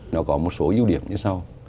nó có một số yếu điểm như sau